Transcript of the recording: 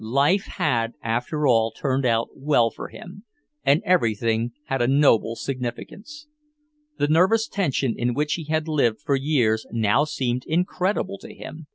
Life had after all turned out well for him, and everything had a noble significance. The nervous tension in which he had lived for years now seemed incredible to him...